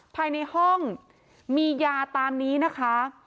ภายในห้องมียาตามนี้นะคะ